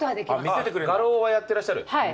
画廊はやってらっしゃる。